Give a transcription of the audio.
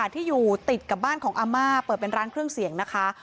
ที่อยู่ติดกับบ้านของอาม่าเปิดเป็นร้านเครื่องเสียงนะคะ